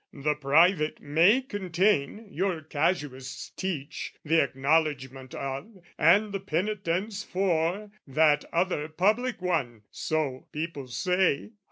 The private may contain, your casuists teach, The acknowledgment of, and the penitence for, That other public one, so people say.